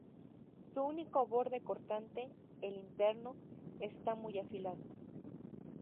Su único borde cortante, el interno, está muy afilado.